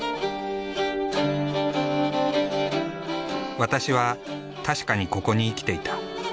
「ワタシ」は確かにここに生きていた。